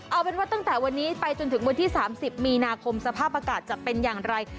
เอาเป็นว่าตั้งแต่วันนี้ไปจนถึงวันที่๓๐มีนาคมสภาพอากาศจะเป็นอย่างไร